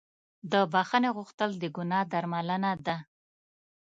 د بښنې غوښتل د ګناه درملنه ده.